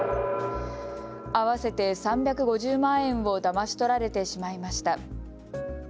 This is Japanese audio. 合わせて３５０万円をだまし取られてしまいました。